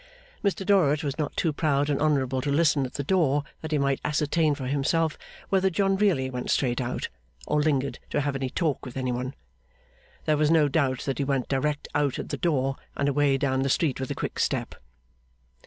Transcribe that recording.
Mr Dorrit was not too proud and honourable to listen at the door that he might ascertain for himself whether John really went straight out, or lingered to have any talk with any one. There was no doubt that he went direct out at the door, and away down the street with a quick step.